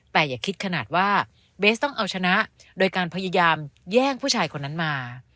แต่อย่าคิดขนาดว่าเบสต้องเอาชนะโดยการพยายามแย่งผู้ชายคนนั้นมา